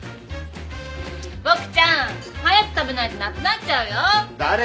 ボクちゃん早く食べないとなくなっちゃうよ！